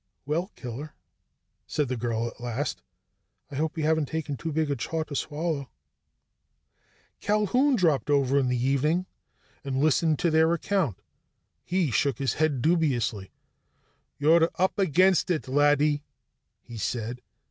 "Well, Killer," said the girl at last, "I hope we haven't taken too big a chaw to swallow." Culquhoun dropped over in the evening and listened to their account. He shook his head dubiously. "You're up against it, laddie," he said.